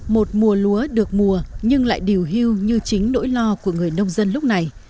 một mùa lúa được mùa nhưng lại điều hưu như chính nỗi lo của người nông dân lúc này